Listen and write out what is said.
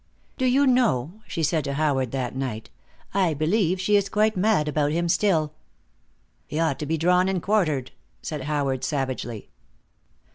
"Do you know," she said to Howard that night, "I believe she is quite mad about him still." "He ought to be drawn and quartered," said Howard, savagely.